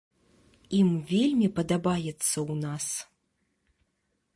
Ім вельмі падабаецца ў нас.